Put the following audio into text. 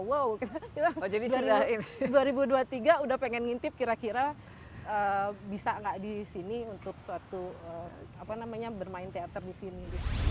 wow kita bilang dua ribu dua puluh tiga udah pengen ngintip kira kira bisa nggak di sini untuk suatu bermain teater di sini